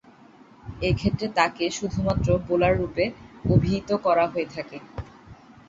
এক্ষেত্রে তাকে শুধুমাত্র বোলাররূপে অভিহিত করা হয়ে থাকে।